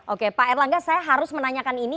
oke pak erlangga saya harus menanyakan ini